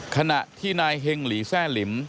ขณะที่นายเฮงหลีแทร่หลิม